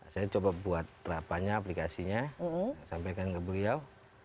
saya coba buat terapannya aplikasinya sampaikan ke beliau